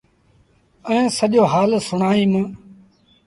ائيٚݩ سڄو هآل سُڻآئيٚم ۔